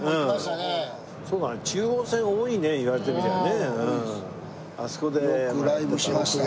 そうだね中央線多いね言われてみりゃね。